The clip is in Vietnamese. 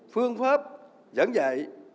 phương pháp giảng dạy